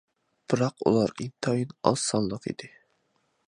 بىراق ئۇلار ئىنتايىن ئاز سانلىق ئىدى.